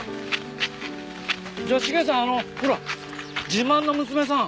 じゃあ茂さんあのほら自慢の娘さん